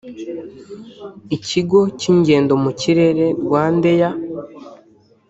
Ikigo cy’ingendo mu kirere Rwanda air